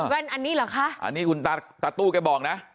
แว่นอันนี้เหรอคะอันนี้คุณตาตาตู้แกบอกนะ